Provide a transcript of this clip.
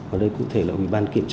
ở đây cụ thể là ubkđ